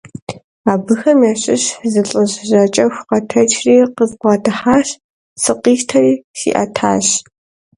Абыхэм ящыщ зы лӀыжь жьакӀэху къэтэджри къызбгъэдыхьащ, сыкъищтэри сиӀэтащ.